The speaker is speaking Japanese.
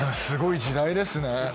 すごい時代ですね。